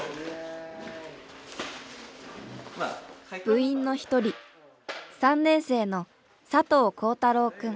部員の一人３年生の佐藤光太楼くん。